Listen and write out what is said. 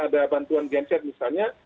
ada bantuan genset misalnya